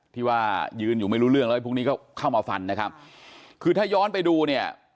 ที่ว่ายืนอยู่ไม่รู้เรื่องแล้วพวกนี้ก็เข้ามาฟันนะครับคือถ้าย้อนไปดูเนี่ย